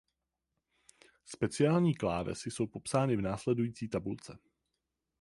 Speciální klávesy jsou popsány v následující tabulce.